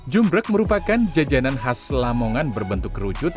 jumrek merupakan jajanan khas lamongan berbentuk kerucut